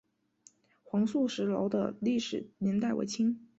黄素石楼的历史年代为清。